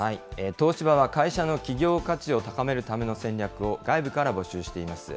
東芝は会社の企業価値を高めるための戦略を外部から募集しています。